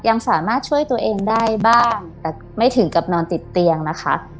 ยังสามารถช่วยตัวเองได้บ้างแต่ไม่ถึงกับนอนติดเตียงนะคะ